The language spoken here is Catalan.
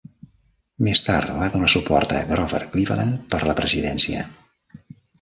Més tard, va donar suport a Grover Cleveland per la presidència.